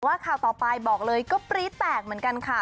ข่าวต่อไปบอกเลยก็ปรี๊ดแตกเหมือนกันค่ะ